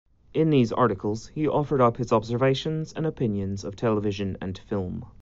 In these articles he offered up his observations and opinions of television and film.